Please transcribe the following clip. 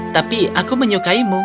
tapi aku menyukaimu